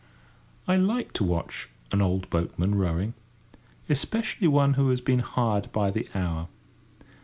I like to watch an old boatman rowing, especially one who has been hired by the hour.